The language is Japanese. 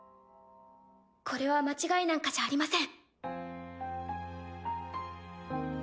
これは間違いなんかじゃありません。